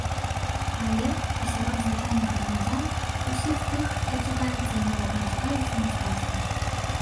Але і сярод звычайных грамадзян, усіх тых, хто цікавіцца і нават не цікавіцца мастацтвам.